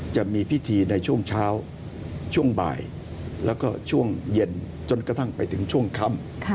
จะมีพิธีในช่วงเช้าช่วงบ่ายแล้วก็ช่วงเย็นจนกระทั่งไปถึงช่วงค่ำ